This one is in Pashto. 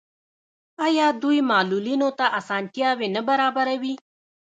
آیا دوی معلولینو ته اسانتیاوې نه برابروي؟